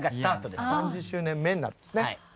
３０周年目になるんですね。